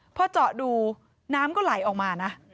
พอเจาะดูน้ำก็ไหลออกมานะ